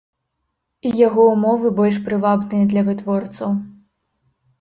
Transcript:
І яго ўмовы больш прывабныя для вытворцаў.